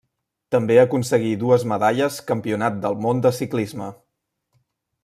També aconseguí dues medalles Campionat del Món de ciclisme.